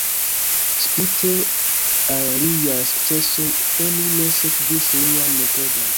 Spite al liaj sukcesoj, oni ne sekvis lian metodon.